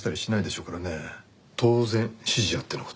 当然指示あっての事。